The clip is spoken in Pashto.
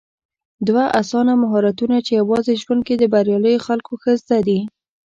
دوه اسانه مهارتونه چې يوازې ژوند کې د برياليو خلکو ښه زده دي